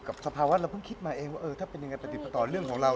กับสภาวะวัทธิ์เราเพิ่งคิดมาเอ็งว่าถ้าเป็นยังไรตีปรต่อเรื่องของเรา